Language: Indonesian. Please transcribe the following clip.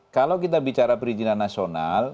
kalau kita bicara perizinan nasional